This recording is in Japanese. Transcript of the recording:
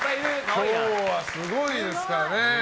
今日はすごいですからね。